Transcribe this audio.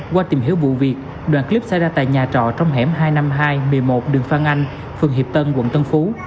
qua tìm hiểu vụ việc đoàn clip xảy ra tại nhà trọ trong hẻm hai trăm năm mươi hai một mươi một đường phan anh phường hiệp tân quận tân phú